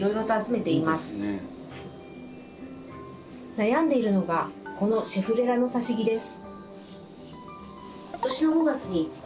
悩んでいるのがこのシェフレラのさし木です。